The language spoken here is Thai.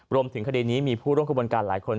รวมถึงคดีนี้มีผู้ร่วมขบวนการหลายคน